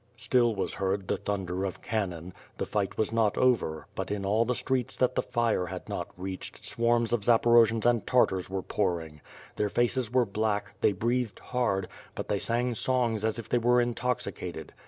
Still was heard the thunder of cannon, the fight was not over, but in all tlie streets that the fire had not reajched, swarms of Zaporojians and Tartars were pouring. Their faces were black; they breathed hard; but they sang songs as if they were intoxicated.